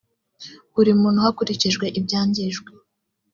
buri muntu hakurikijwe ibyangijwe